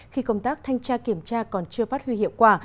khi công tác thanh tra kiểm tra còn chưa phát huy hiệu quả